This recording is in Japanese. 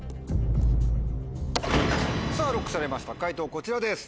さぁＬＯＣＫされました解答こちらです。